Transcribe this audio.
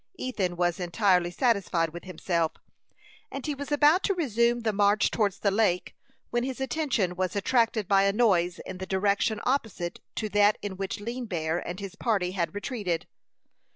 Ethan was entirely satisfied with himself, and he was about to resume the march towards the lake, when his attention was attracted by a noise in the direction opposite to that in which Lean Bear and his party had retreated.